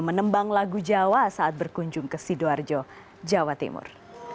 menembang lagu jawa saat berkunjung ke sidoarjo jawa timur